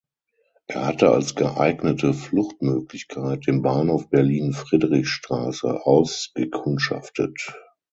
Er hatte als geeignete Fluchtmöglichkeit den Bahnhof Berlin Friedrichstraße ausgekundschaftet.